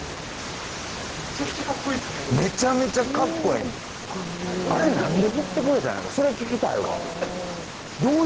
めちゃくちゃかっこいいっすね